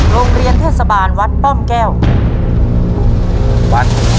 โรงเรียนเทศบาลวัดป้อมแก้ว